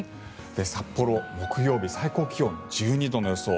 札幌、木曜日最高気温１２度の予想